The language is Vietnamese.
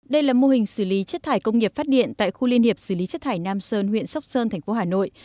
đây là mô hình xử lý chất thải công nghiệp phát điện tại khu liên hiệp xử lý chất thải nam sơn huyện sóc sơn thành phố hà nội